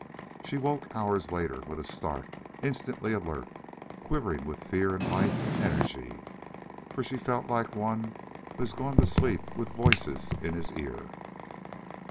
She woke hours later with a start, instantly alert, quivering with fear and life and energy, for she felt like one who has gone to sleep with voices in his ear.